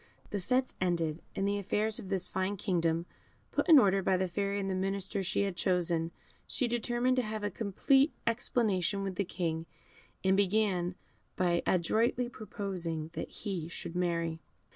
The fêtes ended, and the affairs of this fine kingdom put in order by the Fairy and the ministers she had chosen, she determined to have a complete explanation with the King, and began by adroitly proposing that he should marry.